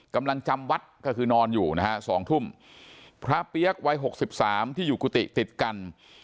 กำลังจำวัดก็คือนอนอยู่นะฮะสองทุ่มพระเปี๊ยกวัยหกสิบสามที่อยู่กุฏิติดกัน